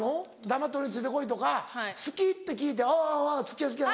「黙って俺について来い」とか「好き？」って聞いて「おぉ好きや好きや」。